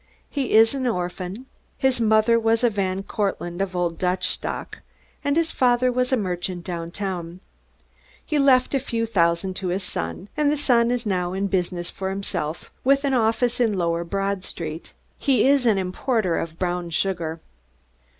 He is an orphan. His mother was a Van Cortlandt of old Dutch stock, and his father was a merchant downtown. He left a few thousands to the son, and the son is now in business for himself with an office in lower Broad Street. He is an importer of brown sugar."